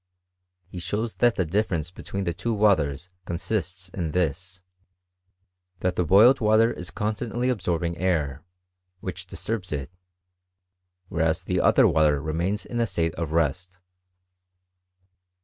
He shows that the difference between the two waters con 336 HISTORY OF CHEMISTRT. > sists in this, that the boiled water is constantly absoit^ ing air, which disturbs it, whereas the other water re mains in a state of rest.